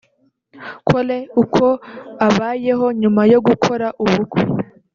Cole uko abayeho nyuma yo gukora ubukwe